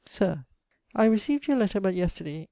Sir, I recieved your letter but yesterday.